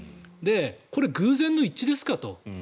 これ、偶然の一致ですかと。